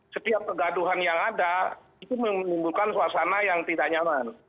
setiap kegaduhan yang ada itu menimbulkan suasana yang tidak nyaman